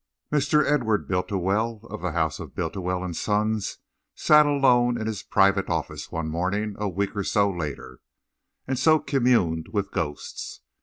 CHAPTER IV Mr. Edward Bultiwell, of the House of Bultiwell and Sons, sat alone in his private office, one morning a week or so later, and communed with ghosts.